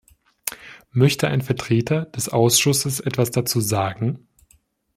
Möchte ein Vertreter des Ausschusses etwas dazu sagen?